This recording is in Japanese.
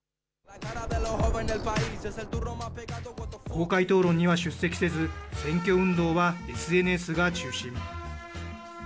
公開討論には出席せず、選挙運動はＳＮＳが中心。